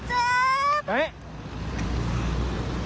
โอ๊ยหน่อยเจ็บ